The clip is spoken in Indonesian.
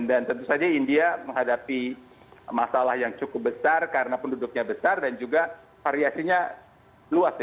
dan tentu saja india menghadapi masalah yang cukup besar karena penduduknya besar dan juga variasinya luas